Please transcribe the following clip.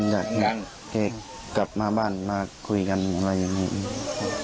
อยากให้กลับมาบ้านมาคุยกันอะไรอย่างนี้